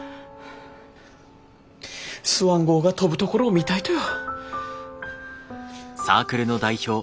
スワン号が飛ぶところを見たいとよ。